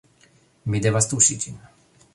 Mi devas tuŝi ĝin